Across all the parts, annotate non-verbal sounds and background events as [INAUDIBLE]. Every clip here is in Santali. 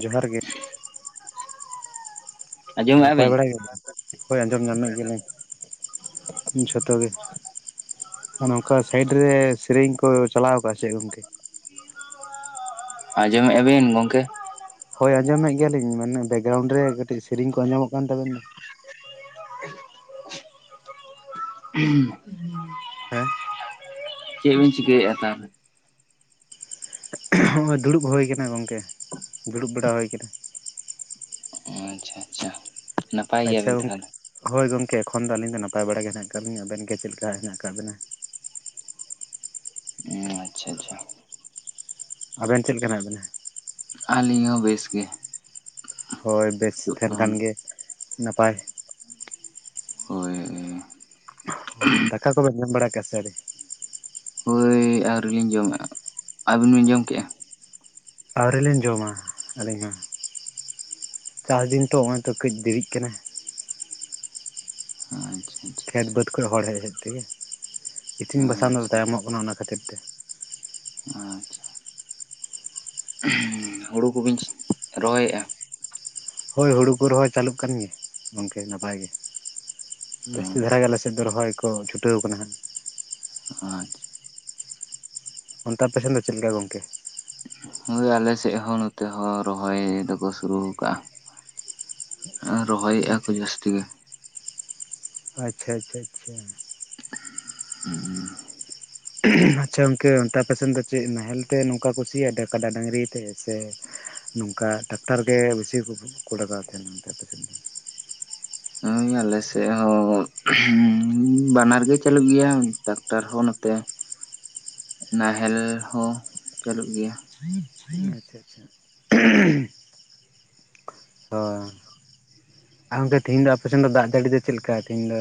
ᱡᱚᱦᱟᱨ ᱜᱮ ᱾ ᱟᱸᱡᱚᱢᱮᱜᱼᱟ ᱱᱟᱯᱟᱭ ᱵᱤᱱ? ᱵᱟᱲᱟᱭ ᱜᱮ ᱦᱚᱭ ᱟᱸᱡᱚᱢ ᱧᱟᱢᱮᱫ ᱜᱮᱭᱟᱞᱤᱧ ᱾ ᱡᱷᱚᱛᱚ ᱜᱮ ᱾ ᱟᱨ ᱱᱚᱝᱠᱟ ᱥᱟᱭᱤᱰ ᱨᱮ ᱥᱮᱨᱮᱧ ᱠᱚ ᱪᱟᱞᱟᱣ ᱟᱠᱟᱜᱼᱟ ᱪᱮ ᱜᱚᱝᱠᱮ ᱾ ᱟᱸᱡᱚᱢᱮᱫᱼᱟ ᱵᱤᱱ ᱜᱚᱝᱠᱮ? ᱦᱳᱭ ᱟᱸᱡᱚᱢᱮᱫ ᱜᱮᱭᱟᱞᱤᱧ ᱢᱮᱱᱮ ᱵᱮᱠᱜᱨᱟᱣᱩᱱᱰ ᱨᱮ ᱠᱟᱹᱴᱤᱡ ᱥᱮᱨᱮᱧ ᱠᱚ ᱟᱸᱡᱚᱢᱚᱜ ᱠᱟᱱ ᱛᱟᱵᱮᱱ ᱫᱚ ᱾ ᱦᱩᱸ ᱾ ᱦᱮᱸ ᱪᱮᱫ ᱵᱤᱱ ᱪᱤᱠᱟᱹᱭᱮᱫᱼᱟ ᱛᱟᱦᱚ ᱦᱚᱸᱜᱼᱚᱭ ᱫᱩᱲᱩᱵ ᱦᱩᱭ ᱟᱠᱟᱱᱟ ᱜᱚᱝᱠᱮ ᱫᱩᱲᱩᱵ ᱵᱟᱲᱟ ᱦᱩᱭ ᱠᱟᱱᱟ ᱾ ᱟᱪᱪᱷᱟ ᱟᱪᱪᱷᱟ ᱾ ᱟᱪᱪᱷᱟ ᱜᱚᱝᱠᱮ ᱦᱳᱭ ᱜᱚᱢᱠᱮ ᱮᱠᱷᱚᱱ ᱫᱚ ᱟᱹᱞᱤᱧ ᱫᱚ ᱱᱟᱯᱟᱭ ᱵᱟᱲᱟ ᱜᱮ ᱦᱮᱱᱟᱜ ᱟᱠᱟᱫ ᱞᱤᱧᱟᱹ ᱟᱵᱮᱱ ᱜᱮ ᱪᱮᱫ ᱞᱮᱠᱟ ᱦᱮᱱᱟᱜ ᱟᱠᱟᱫ ᱵᱮᱱᱟ? ᱚᱦ ᱟᱪᱪᱷᱟ ᱟᱪᱪᱷᱟ ᱾ ᱟᱵᱮᱱ ᱪᱮᱫ ᱞᱮᱠᱟ ᱦᱮᱱᱟᱜ ᱵᱮᱱᱟ? ᱟᱹᱞᱤᱧ ᱦᱚᱸ ᱵᱮᱥ ᱜᱮ ᱾ ᱦᱚᱭ ᱵᱮᱥ ᱛᱟᱦᱮᱱ ᱠᱷᱟᱱ ᱜᱮ ᱱᱟᱯᱟᱭ ᱾ ᱦᱚᱭ ᱦᱚᱭ ᱾ ᱫᱟᱠᱟ ᱠᱚᱵᱮᱱ ᱡᱚᱢ ᱵᱟᱲᱟ ᱠᱮᱜᱼᱟ ᱥᱮ ᱟᱹᱣᱨᱤ? ᱦᱚᱭ ᱟᱹᱣᱨᱤ ᱞᱤᱧ ᱡᱚᱢᱟ, ᱟᱹᱵᱤᱱ ᱵᱤᱱ ᱡᱚᱢ ᱠᱮᱜᱼᱟ ᱾ ᱟᱹᱣᱨᱤᱞᱤᱧ ᱡᱚᱢᱟ ᱟᱹᱞᱤᱧ ᱦᱚᱸ ᱪᱟᱥ ᱫᱤᱱ ᱛᱚ ᱱᱚᱜᱼᱚᱭ ᱛᱚ ᱠᱟᱹᱡ ᱫᱮᱨᱤᱜ ᱠᱟᱱᱟ ᱾ ᱟᱪᱪᱷᱟ ᱾ ᱠᱷᱮᱛ ᱵᱟᱹᱫᱽ ᱠᱷᱚᱡ ᱦᱚᱲ ᱦᱮᱡ ᱦᱮᱡ ᱛᱮᱜᱮ ᱤᱥᱤᱱ ᱵᱟᱥᱟᱝ ᱫᱚ ᱟᱪᱪᱷᱟ ᱛᱟᱭᱚᱢᱚᱜ ᱠᱟᱱᱟ ᱚᱱᱟ ᱠᱷᱟᱹᱛᱤᱨ ᱛᱮ ᱾ ᱟᱪᱪᱷᱟ ᱾ ᱦᱳᱲᱳ ᱠᱚ ᱵᱤᱱ ᱨᱚᱦᱚᱭᱮᱜᱼᱟ? ᱦᱚᱭ ᱦᱳᱲᱳ ᱠᱚ ᱨᱚᱦᱚᱭ ᱪᱟᱹᱞᱩᱜ ᱠᱟᱱ ᱜᱮᱭᱟ ᱜᱚᱝᱠᱮ ᱱᱟᱯᱟᱭ ᱜᱮ ᱾ ᱡᱟᱹᱥᱛᱤ ᱫᱷᱟᱨᱟ ᱜᱮ ᱟᱞᱮ ᱥᱮᱫ ᱫᱚ ᱨᱚᱦᱚᱭ ᱠᱚ ᱪᱷᱩᱴᱟᱹᱣᱟᱠᱟᱱᱟ ᱦᱟᱸᱜ ᱾ ᱟᱪᱪᱷᱟ ᱾ ᱚᱱᱛᱮ ᱟᱯᱮᱥᱮᱱ ᱫᱚ ᱪᱮᱫ ᱞᱮᱠᱟ ᱜᱚᱝᱠᱮ? ᱦᱚᱭ ᱟᱞᱮ ᱥᱮᱜ ᱦᱚᱸ ᱱᱚᱛᱮ ᱦᱚᱸ ᱨᱚᱦᱚᱭ ᱫᱚᱠᱚ ᱥᱩᱨᱩ ᱟᱠᱟᱜᱼᱟ ᱾ ᱟ ᱨᱚᱦᱚᱭᱮᱫᱼᱟ ᱠᱚ ᱟᱪᱪᱷᱟ ᱡᱟᱹᱥᱛᱤ ᱜᱮ ᱾ ᱟᱪᱪᱷᱟ ᱟᱪᱪᱷᱟ ᱟᱪᱪᱷᱟ ᱾ ᱦᱮᱸ ᱾ ᱟᱪᱪᱷᱟ ᱜᱚᱝᱠᱮ ᱚᱱᱛᱮ ᱟᱯᱮ ᱥᱮᱱ ᱫᱚ ᱪᱮᱫ ᱱᱟᱦᱮᱞ ᱛᱮ ᱱᱚᱝᱠᱟ ᱠᱚ ᱥᱤᱭᱟ ᱠᱟᱰᱟ ᱰᱟᱹᱝᱨᱤ ᱛᱮ ᱥᱮ ᱱᱚᱝᱠᱟ ᱴᱟᱠᱴᱟᱨ ᱜᱮ ᱵᱮᱥᱤ ᱠᱚ ᱞᱟᱜᱟᱣ ᱛᱟᱦᱮᱱᱟ ᱱᱚᱛᱮ ᱫᱚ ᱾ ᱦᱩᱸ ᱟᱞᱮᱥᱮᱫ ᱦᱚᱸ ᱦᱩᱸ ᱵᱟᱱᱟᱨ ᱜᱮ ᱪᱟᱹᱞᱩᱜ ᱜᱮᱭᱟ ᱴᱟᱠᱴᱟᱨ ᱦᱚᱸ ᱱᱚᱛᱮ [INAUDIBLE] ᱱᱟᱦᱮᱞ ᱦᱚᱸ ᱪᱟᱹᱞᱩᱜ ᱜᱮᱭᱟ ᱾ [INAUDIBLE] ᱦᱚᱸ ᱟᱨ ᱜᱚᱝᱠᱮ ᱛᱤᱦᱤᱧ ᱫᱚ ᱟᱯᱮᱥᱮᱱ ᱫᱚ ᱫᱟᱜ ᱡᱟᱹᱲᱤ ᱫᱚ ᱪᱮᱫ ᱞᱮᱠᱟ ᱛᱮᱦᱤᱧ ᱫᱚ?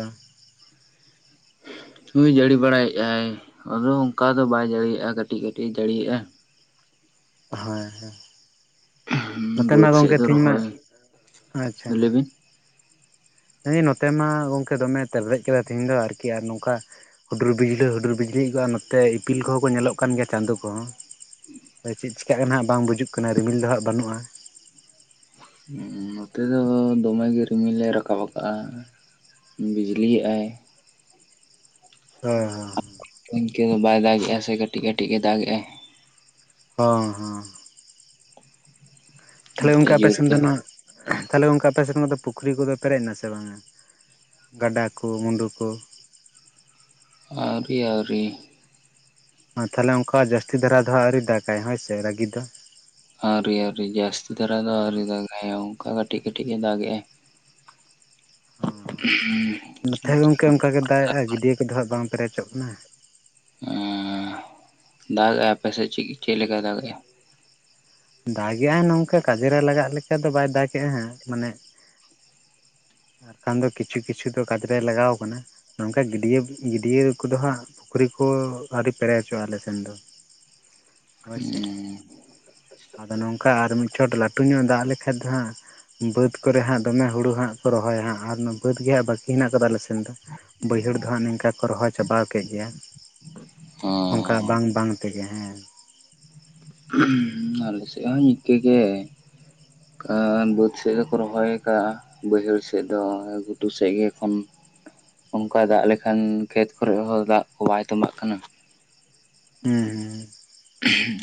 ᱦᱳᱭ ᱡᱟᱹᱲᱤ ᱵᱟᱲᱟᱭᱮᱜᱼᱟᱭ ᱟᱫᱚ ᱚᱱᱠᱟ ᱫᱚ ᱵᱟᱭ ᱡᱟᱹᱲᱤᱭᱟᱜᱼᱟ ᱠᱟᱹᱴᱤᱡ ᱠᱟᱹᱴᱤᱡ ᱡᱟᱹᱲᱤᱭᱮᱜᱼᱟ ᱾ ᱦᱮᱭ ᱦᱮᱸ ᱾ ᱱᱚᱛᱮ ᱵᱟᱹᱫᱽ ᱢᱟ ᱥᱮᱫ ᱜᱚᱝᱠᱮ ᱫᱚ ᱛᱮᱦᱮᱧ ᱢᱟ ᱨᱚᱦᱚᱭ ᱟᱪᱪᱷᱟ ᱾ ᱞᱟᱹᱭ ᱵᱤᱱ ᱦᱟᱹᱭ ᱱᱚᱛᱮ ᱢᱟ ᱜᱚᱝᱠᱮ ᱫᱚᱢᱮ ᱛᱮᱨᱞᱮᱡ ᱠᱮᱫᱟ ᱛᱮᱦᱤᱱ ᱫᱚ ᱟᱨᱠᱤ ᱟᱨ ᱱᱚᱝᱠᱟ ᱦᱩᱰᱩᱨ ᱵᱤᱡᱽᱞᱤᱟᱹ ᱦᱩᱰᱩᱨ ᱵᱤᱡᱽᱞᱤ ᱮᱫ ᱜᱮᱭᱟᱭ ᱱᱚᱛᱮ ᱤᱯᱤᱞ ᱠᱚᱦᱚᱸ ᱠᱚ ᱧᱮᱞᱚᱜ ᱠᱟᱱ ᱜᱮᱭᱟ ᱪᱟᱸᱫᱳ ᱠᱚᱦᱚᱸ ᱾ ᱛᱚ ᱪᱮᱫ ᱪᱮᱠᱟᱜ ᱠᱟᱱᱟ ᱦᱟᱸᱜ ᱵᱟᱝ ᱵᱩᱡᱩᱜ ᱠᱟᱱᱟ ᱨᱤᱢᱤᱞ ᱫᱚ ᱦᱟᱸᱜ ᱵᱟᱹᱱᱩᱜᱼᱟ ᱾ ᱚ ᱱᱚᱛᱮ ᱫᱚ ᱫᱚᱢᱮ ᱜᱮ ᱨᱤᱢᱤᱞ ᱮ ᱨᱟᱠᱟᱵ ᱟᱠᱟᱜᱼᱟ ᱾ ᱦᱩᱸ ᱵᱤᱡᱞᱤ ᱮᱜᱼᱟᱭ ᱾ ᱦᱮᱸ ᱦᱮᱸ ᱾ ᱤᱱᱠᱟᱹ ᱫᱚ ᱵᱟᱭ ᱫᱟᱜᱮᱜᱼᱟ ᱥᱮ ᱠᱟᱹᱴᱤᱡ ᱠᱟᱹᱴᱤᱡ ᱜᱮ ᱫᱟᱜ ᱮᱜᱼᱟᱭ ᱾ ᱦᱚᱸ ᱦᱚᱸ ᱾ ᱛᱷᱟᱞᱮ ᱱᱚᱛᱮ ᱜᱚᱝᱠᱮ ᱟᱯᱮ ᱡᱳᱨ ᱥᱮᱱ ᱫᱚ ᱛᱮᱦᱚᱸ ᱱᱚᱣᱟ ᱛᱟᱦᱚᱞᱮ ᱜᱚᱝᱠᱮ ᱟᱯᱮᱱᱮᱱᱟᱜ ᱫᱚ ᱯᱩᱠᱷᱨᱤ ᱠᱚᱫᱚ ᱯᱮᱨᱮᱡ ᱮᱱᱟ ᱥᱮ ᱵᱟᱝᱟ? ᱜᱟᱸᱰᱟ ᱠᱚ ᱢᱩᱸᱰᱩ ᱠᱚ ᱾ ᱟᱹᱣᱨᱤ ᱟᱹᱣᱨᱤ ᱾ ᱚ ᱛᱟᱦᱚᱞᱮ ᱚᱱᱠᱟ ᱡᱟᱹᱥᱛᱤ ᱫᱷᱟᱨᱟ ᱫᱚ ᱦᱟᱸᱜ ᱟᱹᱣᱨᱤ ᱫᱟᱜᱼᱟᱭ ᱦᱳᱭᱥᱮ ᱨᱟᱹᱜᱤ ᱫᱚ ᱾ ᱟᱹᱣᱨᱤ ᱟᱹᱣᱨᱤ ᱡᱟᱹᱥᱛᱤ ᱫᱷᱟᱨᱟ ᱫᱚ ᱟᱹᱣᱨᱤ ᱫᱟᱜᱼᱟᱭ ᱚᱝᱠᱟ ᱠᱟᱹᱴᱤᱡ ᱠᱟᱹᱴᱤᱡ ᱜᱮ ᱫᱟᱜ ᱮᱜᱼᱟᱭ ᱾ ᱚ ᱱᱚᱛᱮ ᱦᱚᱸ ᱜᱚᱝᱠᱮ ᱚᱱᱠᱟ ᱜᱮ ᱫᱟᱜᱮᱜᱼᱟᱭ ᱜᱟᱹᱰᱭᱟᱹ ᱠᱚᱫᱚ ᱦᱟᱸᱜ ᱵᱟᱝ ᱯᱮᱨᱮᱪᱚᱜ ᱠᱟᱱᱟ ᱾ ᱟᱻ ᱫᱟᱜᱮᱜᱼᱟᱭ ᱟᱯᱮᱥᱮᱪ ᱪᱮᱜ ᱪᱮᱫ ᱞᱮᱠᱟᱭ ᱫᱟᱜᱮᱜᱼᱟ? ᱫᱟᱜᱮᱜᱼᱟᱭ ᱱᱚᱝᱠᱟ ᱠᱟᱡᱮᱨᱮ ᱞᱟᱜᱟᱜ ᱞᱮᱠᱟ ᱫᱚ ᱵᱟᱭ ᱫᱟᱜᱮᱜᱼᱟ ᱦᱟᱸᱜ ᱢᱟᱱᱮ ᱟᱠᱷᱟᱱ ᱫᱚ ᱠᱤᱪᱷᱩ ᱠᱤᱪᱷᱩ ᱫᱚ ᱠᱟᱡᱽᱨᱮ ᱞᱟᱜᱟᱣ ᱠᱟᱱᱟ ᱾ ᱱᱚᱝᱠᱟ ᱜᱟᱹᱰᱭᱟᱹ ᱜᱟᱹᱰᱭᱟᱹ ᱠᱚᱫᱚ ᱦᱟᱸᱜ ᱯᱩᱠᱷᱨᱤ ᱠᱚ ᱟᱣᱨᱤ ᱯᱮᱨᱮᱡ ᱪᱚᱜᱼᱟ ᱟᱞᱮ ᱥᱮᱱ ᱫᱚ ᱾ ᱦᱳᱭ ᱥᱮ ᱾ ᱟᱫᱚ ᱱᱚᱝᱠᱟ ᱟᱨ ᱢᱤᱫ ᱪᱷᱚᱴ ᱞᱟᱹᱴᱩ ᱧᱚᱜ ᱫᱟᱜ ᱞᱮᱠᱷᱟᱡ ᱫᱚ ᱦᱟᱸᱜ ᱵᱟᱹᱫᱽ ᱠᱚᱨᱮ ᱦᱟᱸᱜ ᱫᱚᱢᱮ ᱦᱩᱲᱩ ᱦᱟᱸᱜ ᱠᱚ ᱨᱚᱦᱚᱭᱟ ᱦᱟᱸᱜ ᱟᱨ ᱚᱱᱟ ᱵᱟᱹᱫᱽ ᱜᱮ ᱦᱟᱸᱜ ᱵᱟᱹᱠᱤ ᱦᱮᱱᱟᱜ ᱟᱠᱟᱫᱟ ᱟᱞᱮ ᱥᱮᱱ ᱫᱚ ᱾ ᱵᱟᱹᱭᱦᱟᱹᱲ ᱫᱚ ᱦᱟᱸᱜ ᱱᱤᱝᱠᱟ ᱠᱚ ᱨᱚᱦᱚᱭ ᱪᱟᱵᱟᱣ ᱠᱮᱫ ᱜᱮᱭᱟ ᱾ ᱚᱝᱠᱟ ᱦᱚᱸ ᱵᱟᱝ ᱵᱟᱝ ᱛᱮᱜᱮ ᱦᱮᱸ ᱾ ᱦᱩᱸ ᱟᱞᱮ ᱥᱮᱫ ᱦᱚᱸ ᱤᱱᱠᱟᱹ ᱜᱮ ᱾ ᱠᱟᱻ ᱵᱟᱹᱫᱽ ᱥᱮᱫ ᱫᱚᱠᱚ ᱨᱚᱦᱚᱭ ᱟᱠᱟᱜᱼᱟ ᱾ ᱵᱟᱹᱭᱦᱟᱹᱲ ᱥᱮᱫ ᱫᱚ ᱜᱷᱩᱴᱩ ᱥᱮᱫ ᱜᱮ ᱮᱠᱷᱚᱱ ᱚᱝᱠᱟᱭ ᱫᱟᱜ ᱞᱮᱠᱷᱟᱱ ᱠᱷᱮᱛ ᱠᱚᱨᱮᱜ ᱦᱚᱸ ᱫᱟᱜ ᱠᱚ ᱵᱟᱭ ᱛᱚᱸᱵᱟᱜ ᱠᱟᱱᱟ ᱾ ᱦᱩᱸ ᱦᱩᱸ ᱾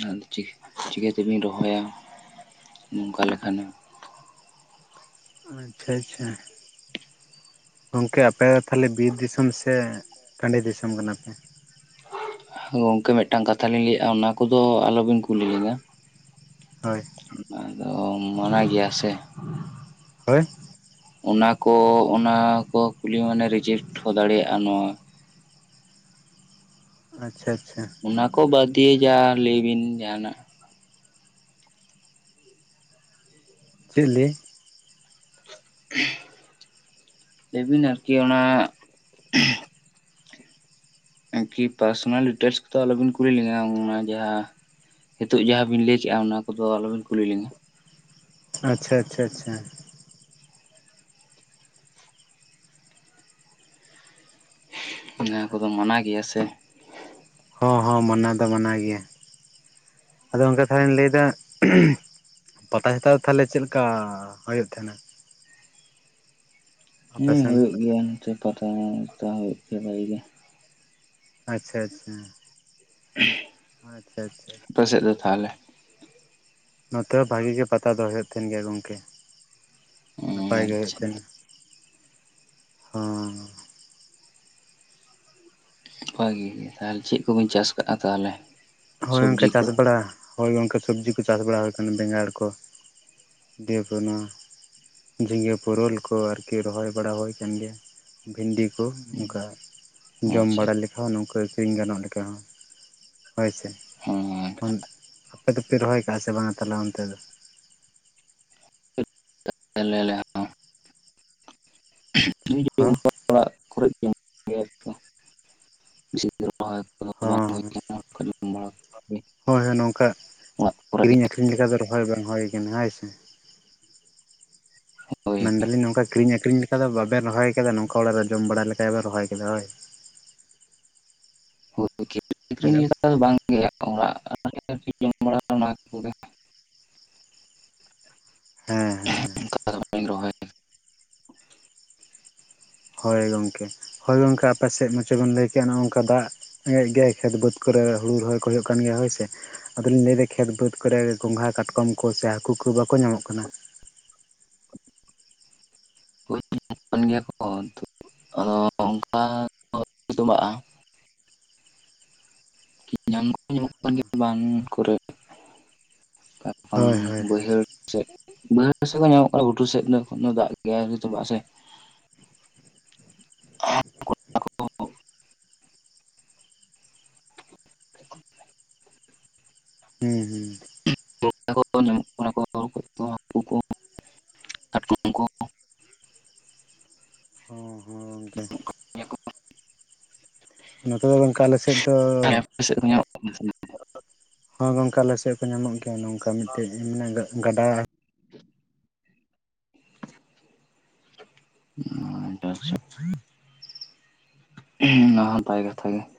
ᱟᱫᱚ ᱪᱤᱠᱟᱹ-ᱪᱤᱠᱟᱹᱛᱮᱵᱤᱱ ᱨᱚᱦᱚᱭᱟ ᱱᱚᱝᱠᱟ ᱞᱮᱠᱷᱟᱱᱮ? ᱟᱪᱷᱟ ᱟᱪᱷᱟ ᱾ ᱜᱚᱝᱠᱮ ᱟᱯᱮ ᱫᱚ ᱛᱟᱦᱚᱞᱮ ᱵᱤᱨ ᱫᱤᱥᱚᱢ ᱥᱮ ᱴᱟᱸᱰᱤ ᱫᱤᱥᱚᱢ ᱠᱟᱱᱟ ᱯᱮ? ᱜᱚᱝᱠᱮ ᱢᱤᱫᱴᱟᱝ ᱠᱟᱛᱷᱟ ᱞᱤᱧ ᱞᱟᱹᱭᱮᱜᱼᱟ ᱚᱱᱟ ᱠᱚᱫᱚ ᱟᱞᱚᱵᱤᱱ ᱠᱩᱞᱤ ᱞᱤᱧᱟ ᱾ ᱦᱳᱭ ᱾ ᱚᱱᱟ ᱫᱚ ᱢᱟᱱᱟ ᱜᱮᱭᱟ ᱥᱮ ᱾ ᱦᱳᱭ ᱾ ᱚᱱᱟ ᱠᱚ ᱚᱱᱟ ᱠᱚ ᱠᱩᱞᱤ ᱢᱟᱱᱮ ᱨᱤᱡᱮᱠᱴ ᱦᱚᱸ ᱫᱟᱲᱮᱭᱟᱜᱼᱟ ᱱᱚᱣᱟ ᱾ ᱟᱪᱷᱟ ᱟᱪᱷᱟ ᱾ ᱚᱱᱟ ᱠᱚ ᱵᱟᱫᱽ ᱫᱤᱭᱮ ᱡᱟ ᱞᱟᱹᱭᱵᱤᱱ ᱡᱟᱦᱟᱱᱟᱜ ᱾ ᱪᱮᱫ ᱞᱤᱭᱮ? ᱞᱮᱵᱤᱱ ᱟᱨᱠᱤ ᱚᱱᱟ ᱟᱨᱠᱤ ᱯᱟᱨᱥᱚᱱᱟᱞ ᱰᱤᱴᱮᱞᱥ ᱠᱚ ᱫᱚ ᱟᱞᱚ ᱵᱤᱱ ᱠᱩᱞᱤ ᱞᱤᱧᱟ ᱚᱱᱟ ᱡᱟᱦᱟᱸ ᱦᱤᱛᱳᱜ ᱡᱟᱦᱟᱸᱵᱤᱱ ᱞᱟᱹᱭ ᱠᱮᱫᱼᱟ ᱚᱱᱟ ᱠᱚ ᱫᱚ ᱟᱞᱚᱵᱤᱱ ᱠᱩᱞᱤ ᱞᱤᱧᱟ ᱾ ᱟᱪᱷᱟ ᱟᱪᱷᱟ ᱟᱪᱷᱟ, ᱚᱱᱟ ᱠᱚ ᱫᱚ ᱢᱟᱱᱟ ᱜᱮᱭᱟ ᱥᱮ ᱾ ᱦᱚᱸ ᱦᱚᱸ ᱢᱟᱱᱟ ᱫᱚ ᱢᱟᱱᱟᱣ ᱜᱮᱭᱟ, ᱟᱫᱚ ᱚᱱᱠᱟ ᱛᱟᱦᱟᱞᱮᱧ ᱞᱟᱹᱭᱫᱟ ᱾ ᱯᱟᱛᱟ ᱪᱷᱟᱛᱟ ᱛᱟᱦᱚᱞᱮ ᱪᱮᱫ ᱞᱮᱠᱟ ᱦᱳᱭᱳᱜ ᱛᱟᱦᱮᱱᱟ? ᱦᱮᱸ ᱟᱯᱮᱥᱮᱱ ᱦᱳᱭᱳᱜ ᱜᱮᱭᱟ ᱱᱚᱛᱮ ᱯᱟᱛᱟ ᱚᱠᱴᱟ ᱦᱳᱭᱳᱜ ᱜᱮ ᱵᱷᱟᱜᱮ ᱜᱮ, ᱟᱪᱷᱟ ᱟᱪᱷᱟ, [UNINTELLIGIBLE] ᱟᱪᱷᱟ ᱟᱪᱷᱟ ᱟᱪᱷᱟ, ᱛᱟᱦᱞᱮ, ᱱᱚᱛᱮ ᱦᱚᱸ ᱵᱷᱟᱜᱮ ᱜᱮ ᱯᱟᱛᱟ ᱫᱚ ᱦᱳᱭᱳᱜ ᱛᱟᱦᱮᱱ ᱜᱮᱭᱟ ᱜᱚᱢᱠᱮ, ᱚ ᱱᱟᱯᱟᱭ ᱜᱮ ᱦᱳᱭᱳᱜ ᱟᱪᱪᱷᱟ ᱛᱟᱦᱮᱱᱟ ᱾ ᱦᱩᱸ, ᱵᱷᱟᱜᱮ ᱜᱮ ᱛᱟᱦᱚᱞᱮ ᱪᱮᱫ ᱠᱚᱵᱤᱱ ᱪᱟᱥ ᱠᱟᱜᱼᱟ ᱛᱟᱦᱚᱞᱮ? ᱦᱳᱭ ᱚᱱᱠᱟ ᱥᱚᱵᱽᱡᱤ ᱠᱚ ᱪᱟᱥ ᱵᱟᱲᱟ ᱦᱳᱭ ᱚᱱᱠᱟ ᱥᱚᱵᱽᱡᱤ ᱠᱚ ᱪᱟᱥ ᱵᱟᱲᱟ ᱦᱳᱭ ᱟᱠᱟᱱᱟ ᱵᱮᱸᱜᱟᱲ ᱠᱚ ᱾ [INAUDIBLE] ᱱᱚᱣᱟ ᱡᱷᱤᱸᱜᱟᱹ ᱯᱳᱨᱳᱞ ᱠᱚ ᱟᱨᱠᱤ ᱨᱚᱦᱚᱭ ᱵᱟᱲᱟ ᱦᱳᱭ ᱟᱠᱟᱱ ᱜᱮᱭᱟ ᱾ ᱵᱷᱤᱱᱰᱤ ᱠᱚ ᱱᱚᱝᱠᱟ ᱡᱚᱢ ᱟᱪᱪᱷᱟ ᱵᱟᱲᱟ ᱞᱮᱠᱟ ᱦᱚᱸ ᱱᱚᱝᱠᱟ ᱟᱹᱠᱷᱨᱤᱧ ᱜᱟᱱᱚᱜ ᱞᱮᱠᱟ ᱦᱚᱸ ᱾ ᱦᱳᱭ ᱥᱮ, ᱦᱮᱸ, ᱟᱯᱮ ᱫᱚ ᱯᱮ ᱨᱚᱦᱚᱭ ᱠᱟᱜᱼᱟ ᱥᱮ ᱵᱟᱝᱟ ᱛᱟᱦᱞᱮ ᱚᱱᱛᱮ ᱫᱚ? [INAUDIBLE] ᱦᱚᱸ [INAUDIBLE] ᱚᱲᱟᱜ ᱠᱚᱨᱮᱜ ᱜᱮ ᱾ ᱜᱮ ᱛᱚ, [INAUDIBLE] ᱦᱚᱸ ᱦᱚᱸ, ᱠᱟᱱᱟ ᱦᱳᱭ ᱦᱳᱭ ᱱᱚᱝᱠᱟ ᱚᱲᱟᱜ ᱠᱚᱨᱮ ᱜᱮ ᱠᱤᱨᱤᱧ ᱟᱹᱠᱷᱨᱤᱧ ᱞᱮᱠᱟ ᱫᱚ ᱨᱚᱦᱚᱭ ᱵᱟᱝ ᱦᱳᱭ ᱠᱟᱱᱟ ᱦᱳᱭ ᱥᱮ, ᱦᱳᱭ ᱢᱮᱱ ᱫᱟᱞᱤᱧ ᱱᱚᱝᱠᱟ ᱠᱤᱨᱤᱧ ᱟᱠᱷᱨᱤᱧ ᱞᱮᱠᱟ ᱫᱚ ᱵᱟᱵᱮᱱ ᱨᱚᱦᱚᱭ ᱟᱠᱟᱫᱟ ᱱᱚᱝᱠᱟ ᱚᱲᱟᱜ ᱨᱮ ᱡᱚᱢ ᱵᱟᱲᱟ ᱞᱮ ᱞᱮᱠᱟᱡ ᱵᱮᱱ ᱨᱚᱦᱚᱭ ᱠᱮᱫᱟ ᱦᱳᱭ, [UNINTELLIGIBLE] ᱦᱮᱞᱳ [INAUDIBLE] ᱦᱮᱸ ᱦᱮᱸ, ᱠᱟᱨᱵᱟᱧ ᱨᱚᱦᱚᱭ ᱦᱳᱭ ᱜᱚᱢᱠᱮ ᱦᱳᱭ ᱜᱚᱢᱠᱮ ᱟᱯᱮ ᱥᱮᱫ ᱢᱟᱪ ᱵᱮᱱ ᱞᱟᱹᱭ ᱠᱮᱜᱼᱟ ᱚᱱᱮ ᱱᱚᱝᱠᱟ ᱫᱟᱜ, ᱦᱮᱜ ᱜᱮᱟᱭ ᱠᱷᱮᱛ ᱵᱟᱹᱫᱽ ᱠᱚᱨᱮ ᱦᱩᱲᱩ ᱨᱚᱦᱚᱭ ᱠᱚ ᱦᱩᱭᱩᱜ ᱠᱟᱱ ᱜᱮᱭᱟ ᱦᱳᱭ ᱥᱮ, ᱟᱫᱚ ᱞᱤᱧ ᱞᱟᱹᱭᱮᱫᱟ ᱠᱷᱮᱛ ᱵᱟᱹᱫᱽ ᱠᱚᱨᱮ ᱜᱚᱝᱜᱷᱟ ᱠᱟᱴᱠᱚᱢ ᱠᱚ ᱥᱮ ᱦᱟᱹᱠᱩ ᱠᱚ ᱵᱟᱠᱚ ᱧᱟᱢᱚᱜ ᱠᱟᱱᱟ ᱾ [INAUDIBLE] ᱧᱟᱢ ᱠᱚ ᱧᱟᱢᱚᱜ ᱠᱟᱱ ᱜᱮᱭᱟ ᱵᱟᱸᱱ ᱠᱚᱨᱮᱠᱷ ᱠᱟᱨᱚᱱ ᱦᱳᱭ ᱦᱳᱭ ᱦᱳᱭ ᱵᱟᱹᱭᱦᱟᱹᱲ, ᱥᱮ ᱵᱟᱹᱭᱦᱟᱹᱲ ᱥᱮᱫ ᱧᱟᱢᱚᱜ ᱠᱟᱱᱟ ᱜᱷᱩᱴᱩ ᱥᱮᱫ ᱫᱚ ᱮᱠᱷᱚᱱ ᱫᱟᱜ ᱜᱮᱭᱟ ᱟᱹᱣᱨᱤ ᱛᱚᱵᱟᱜ- ᱟ ᱥᱮ, ᱦᱟᱹᱠᱩ ᱦᱩᱸ ᱦᱩᱸ, [INAUDIBLE] ᱦᱚᱸ ᱦᱚᱸ ᱜᱚᱢᱠᱮ, ᱦᱮᱸ ᱱᱚᱛᱮ ᱫᱚ ᱜᱚᱢᱠᱮ ᱟᱞ ᱥᱮᱫ ᱫᱚ [INAUDIBLE] ᱦᱚᱸᱭ ᱜᱚᱢᱠᱮ ᱟᱥᱮᱫ ᱠᱚ ᱧᱟᱢᱚᱜ ᱜᱮᱭᱟ ᱱᱚᱝᱠᱟ ᱢᱤᱫᱴᱮᱡ ᱢᱟᱱᱮ ᱜᱟᱰᱟ ᱾ [UNINTELLIGIBLE] ᱦ [UNINTELLIGIBLE] [UNINTELLIGIBLE] ᱜᱮᱮ